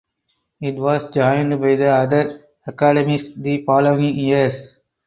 It was joined by the other academies the following years.